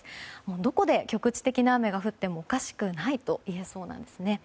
どこで局地的な雨が降ってもおかしくないといえそうですね。